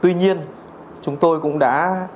tuy nhiên chúng tôi cũng đã